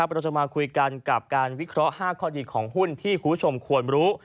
เราจะมาคุยกันกับการวิเคราะห์๕ข้อดีของหุ้นที่คุณผู้ชมควรรู้